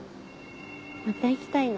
また行きたいな。